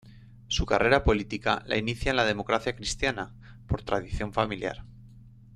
Su carrera política la inicia en la Democracia Cristiana, por tradición familiar.